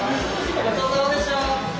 ごちそうさまでした！